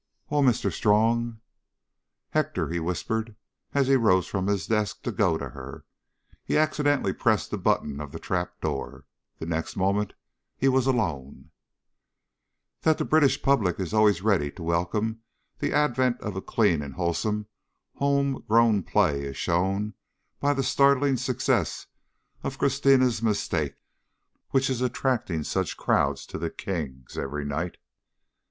"Oh, Mr. Strong " "Hector," he whispered. As he rose from his desk to go to her, he accidentally pressed the button of the trap door. The next moment he was alone. "That the British public is always ready to welcome the advent of a clean and wholesome home grown play is shown by the startling success of Christina's Mistake, which is attracting such crowds to The King's every night."